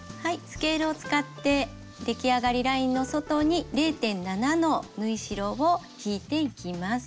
スケールを使ってできあがりラインの外に０．７の縫い代を引いていきます。